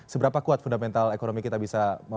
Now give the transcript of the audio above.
seberapa kuat fundamental ekonomi kita bisa